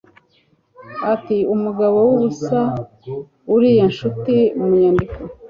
ati umugabo wubusa, uriya ncuti mu nyandiko